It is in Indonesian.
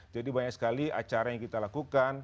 jadi banyak sekali acara yang kita lakukan